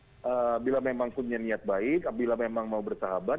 padahal presiden bila memang punya niat baik bila memang mau bersahabat